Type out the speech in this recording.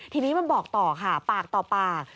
ทีนี้มันบอกต่อค่ะปากต่อปาก